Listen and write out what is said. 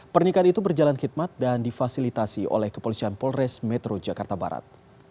pernikahan itu berjalan khidmat dan difasilitasi oleh kepolisian polres metro jakarta barat